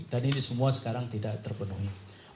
dan ini semua sekarang tidak terpenuhi